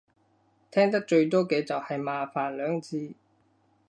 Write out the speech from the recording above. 聽得最多嘅就係麻煩兩字